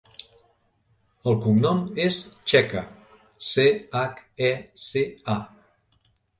El cognom és Checa: ce, hac, e, ce, a.